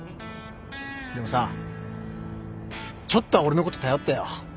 でもさちょっとは俺のこと頼ってよ。